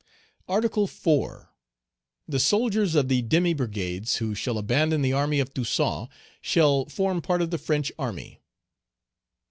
"Article 4. The soldiers of the demi brigades who shall abandon the army of Toussaint, shall form part of the French army.